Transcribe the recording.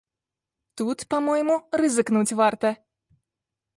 Тут, па-мойму, рызыкнуць варта.